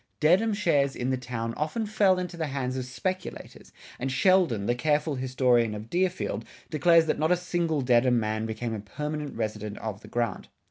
Dedham shares in the town often fell into the hands of speculators, and Sheldon, the careful historian of Deerfield, declares that not a single Dedham man became a permanent resident of the grant.